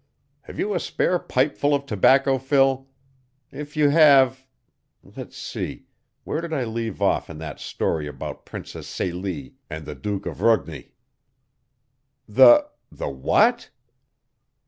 Have you a spare pipeful of tobacco, Phil? If you have let's see, where did I leave off in that story about Princess Celie and the Duke of Rugni?" "The the WHAT?"